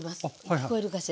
聞こえるかしら。